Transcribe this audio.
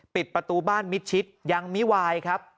ปิดประตูบ้านมิดชิดยังมิวายครับ